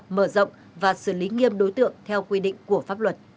mở rộng và xử lý nghiêm đối tượng theo quy định